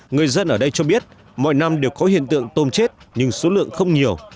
người dân ở đây cho biết mọi năm đều có hiện tượng tôm chết nhưng số lượng không nhiều